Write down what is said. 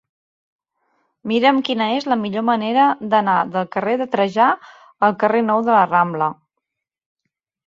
Mira'm quina és la millor manera d'anar del carrer de Trajà al carrer Nou de la Rambla.